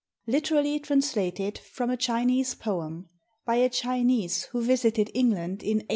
_Literally translated from a Chinese Poem, by a Chinese who visited England in 1813.